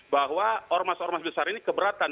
bahwa ormas ormas besar ini keberatan